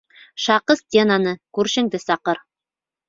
Шаҡы стенаны, күршеңде саҡыр.